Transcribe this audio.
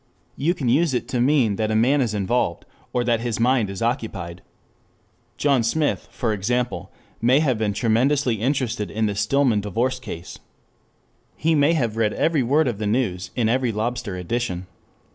You can use it to mean that a man is involved, or that his mind is occupied. John Smith, for example, may have been tremendously interested in the Stillman divorce case. He may have read every word of the news in every lobster edition.